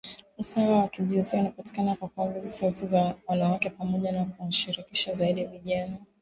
Usawa wa kijinsia unapatikana kwa kuongeza sauti za wanawake, pamoja na kuwashirikisha zaidi vijana.